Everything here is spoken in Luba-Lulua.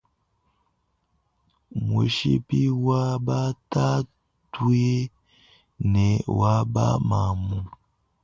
Mushipi wa ba tatue ne wa ba mamu.